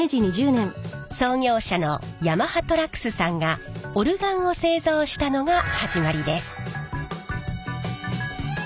創業者の山葉寅楠さんがオルガンを製造したのが始まりです。